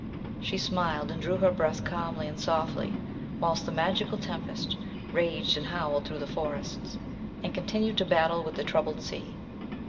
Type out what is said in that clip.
She smiled, and drew her breath calmly and softly, whilst the magical tempest raged and howled through the forests, and continued to battle with the troubled sea.